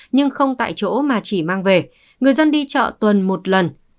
nhưng không tại chỗ mà chỉ mang về người dân đi chợ tuần một lần